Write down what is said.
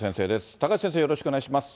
高橋先生、よろしくお願いします。